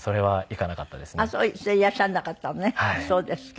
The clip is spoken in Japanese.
はい。